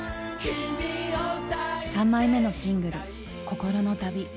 ３枚目のシングル「心の旅」。